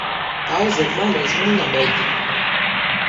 Aizved mani uz Munameģi!